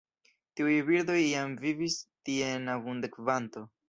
Tiuj birdoj iam vivis tie en abunda kvanto.